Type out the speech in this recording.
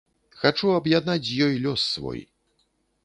Хачу аб'яднаць з ёй лёс свой.